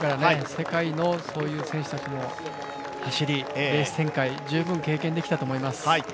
世界の選手たちの走りレース展開十分経験できたと思います。